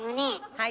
はい。